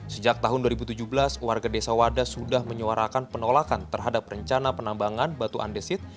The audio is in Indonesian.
sejak tahun dua ribu tujuh belas warga desa wada sudah menyuarakan penolakan terhadap rencana penambangan batu andesit